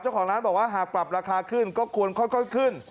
เจ้าของร้านบอกว่าหากปรับราคาขึ้นก็ควรค่อยขึ้น